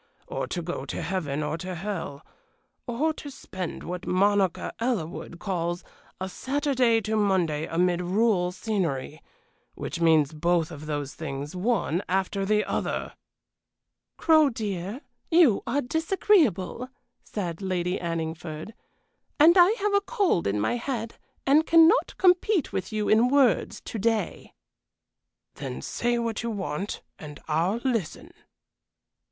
or to go to heaven or to hell? or to spend what Monica Ellerwood calls 'a Saturday to Monday amid rural scenery,' which means both of those things one after the other!" "Crow, dear, you are disagreeable," said Lady Anningford, "and I have a cold in my head and cannot compete with you in words to day." "Then say what you want, and I'll listen."